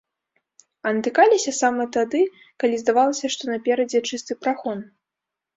А натыкаліся сама тады, калі здавалася, што наперадзе чысты прахон.